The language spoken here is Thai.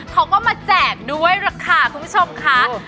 เขาก็มาแจกด้วยราคาคุณผู้ชมค่ะ